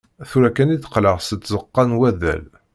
Tura kan i d-qqleɣ seg tzeqqa n waddal.